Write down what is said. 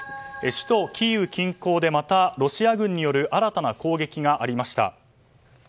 首都キーウ近郊でまたロシア軍による新たな攻撃がありました。